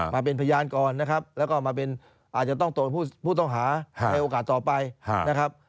มาเป็นพยานก่อนนะครับแล้วก็มาเป็นอาจจะต้องตรวจผู้ต้องหาในโอกาสต่อไปนะครับ